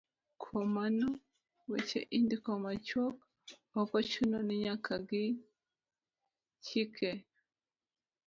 Kuom mano, weche indiko machuok, ok ochuno ni nyaka ng'i chike